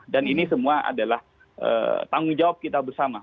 dan ini semua adalah tanggung jawab kita bersama